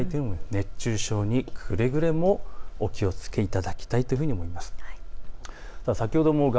熱中症にくれぐれもお気をつけいただきたいと思います。